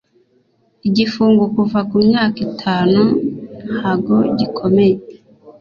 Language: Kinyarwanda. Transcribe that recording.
igifungo kuva ku myaka itanu ntago gikomeye .